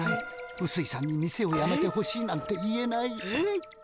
うすいさんに店をやめてほしいなんて言えない。